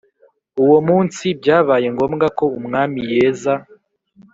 Uwo munsi byabaye ngombwa ko umwami yeza